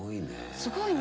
すごいね。